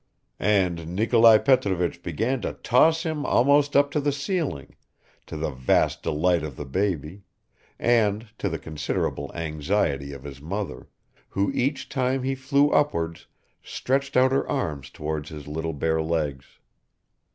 And Nikolai Petrovich began to toss him almost up to the ceiling, to the vast delight of the baby, and to the considerable anxiety of his mother, who each time he flew upwards stretched out her arms towards his little bare legs.